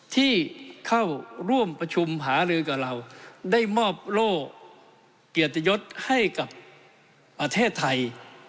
ที่เข้าร่วมประชุมหาลือกับเราได้มอบโล่เกียรติยศให้กับประเทศไทย